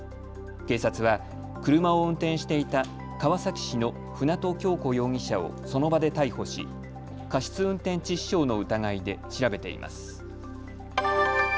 警察は車を運転していた川崎市の舟渡今日子容疑者をその場で逮捕し、過失運転致死傷の疑いで調べています。